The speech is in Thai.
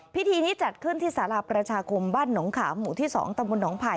พิธีนี้จัดขึ้นที่สาราประชาคมบ้านหนองขามหมู่ที่๒ตำบลหนองไผ่